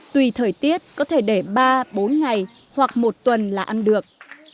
tùy thời tiết có thể để ba bốn ngày hoặc một tuần là ăn được